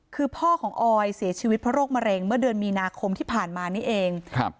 คือพ่อของออยเสียชีวิตเพราะโรคมะเร็งเมื่อเดือนมีนาคมที่ผ่านมานี่เองครับ